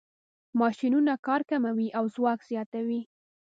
ماشینونه کار کموي او ځواک زیاتوي.